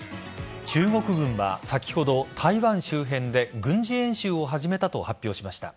中国軍は先ほど、台湾周辺で軍事演習を始めたと発表しました。